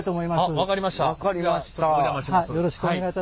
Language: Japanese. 分かりました。